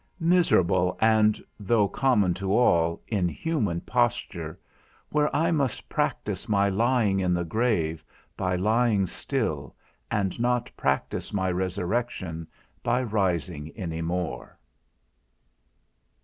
Miserable, and (though common to all) inhuman posture, where I must practise my lying in the grave by lying still, and not practise my resurrection by rising any more.